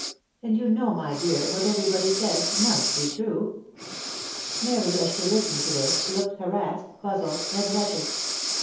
And you know, my dear, what every body says, must be true." Mary, as she listened to this, looked harassed, puzzled, and wretched.